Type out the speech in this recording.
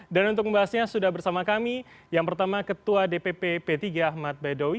dan untuk membahasnya sudah bersama kami yang pertama ketua dpp p tiga ahmad badoi